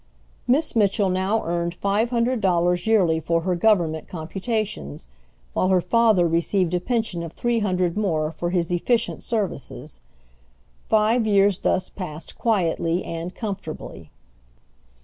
Miss Mitchell now earned five hundred dollars yearly for her government computations, while her father received a pension of three hundred more for his efficient services. Five years thus passed quietly and comfortably.